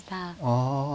ああ。